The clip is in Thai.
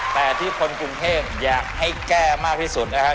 แต่ที่คนกรุงเทพอยากให้แก้มากที่สุดนะครับ